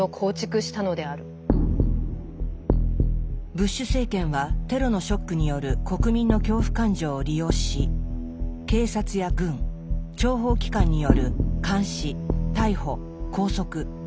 ブッシュ政権はテロのショックによる国民の恐怖感情を利用し警察や軍諜報機関による監視逮捕拘束尋問の権限を強化しました。